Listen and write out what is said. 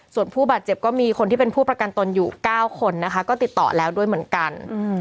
ส่วนผู้บาดเจ็บก็มีคนที่เป็นผู้ประกันตนอยู่๙คนนะคะก็ติดต่อแล้วด้วยเหมือนกัน